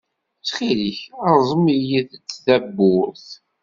Ttxil-k, rẓem-iyi-d tawwurt.